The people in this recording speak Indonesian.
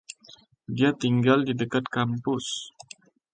Dia tinggal di dekat kampus.